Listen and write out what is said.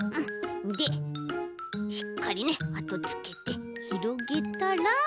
でしっかりあとつけてひろげたら。